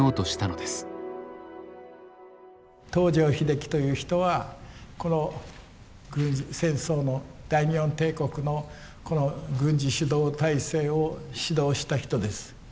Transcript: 東條英機という人はこの戦争の大日本帝国のこの軍事主導体制を指導した人です。